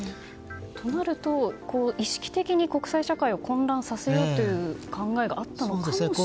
となると、意識的に国際社会を混乱させようという考えがあったのかもしれないと。